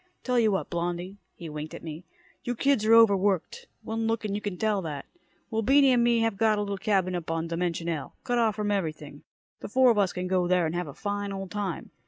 Tell you what, Blondie." He winked at me. "You kids are over worked. One look and you can tell that. Well, Beany and me have got a little cabin up on Dimension L, cut off from everything. The four of us can go there and have a fine old time.